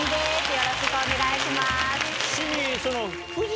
よろしくお願いします。